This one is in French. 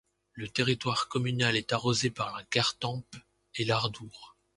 Le territoire communal est arrosé par la Gartempe et l'Ardour.